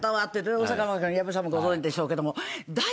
大阪は矢部さんもご存じでしょうけども。